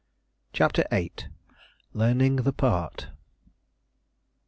CHAPTER VIII. LEARNING THE PART.